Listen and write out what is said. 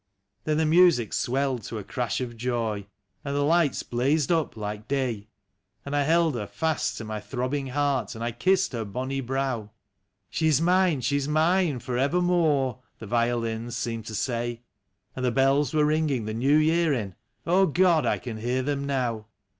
Then the music swelled to a crash of joy, and the lights blazed up like day; And I held her fast to my throbbing heart, and I kissed her bonny brow; " She is mine, she is mine for evermore !" the violins seemed to say. And the bells were ringing the New Year in — God ! I can hear them now.